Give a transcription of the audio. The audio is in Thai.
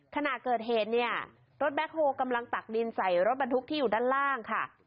ขณะเกิดเหตุเนี่ยรถแบ็คโฮลกำลังตักดินใส่รถบรรทุกที่อยู่ด้านล่างค่ะ